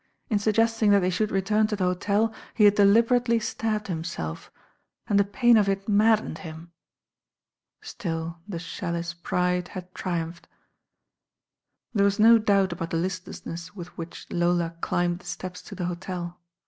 In suggesting that they should return to the hotel he had deliberately stabbed himself, and the pain of it maddened him. Still the Challice pride had triumphca. There was> no doubt about the listlessness with which Lola climbed the steps to the hotel.